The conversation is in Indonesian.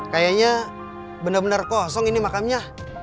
kayanya bener bener kosong ini maksudnya